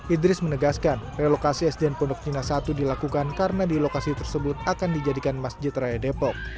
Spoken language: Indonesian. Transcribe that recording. idris menegaskan relokasi sdn pondok cina satu dilakukan karena di lokasi tersebut akan dijadikan masjid raya depok